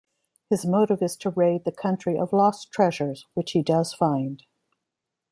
His motive is to raid the country of lost treasures, which he does find.